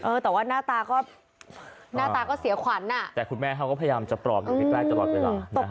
แต่ว่าหน้าตาก็หน้าตาก็เสียขวัญอ่ะแต่คุณแม่เขาก็พยายามจะปลอบอยู่ที่แกล้งตลอดเวลา